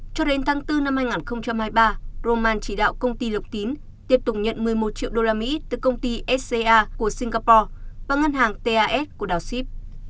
cho đến tháng bốn năm hai nghìn hai mươi ba roman chỉ đạo công ty lộc tín tiếp tục nhận một mươi một triệu usd từ công ty sca của singapore và ngân hàng tas của đảo sip